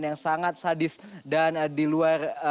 yang sangat sadis dan diluar